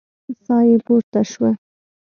ساه يې پورته شوه.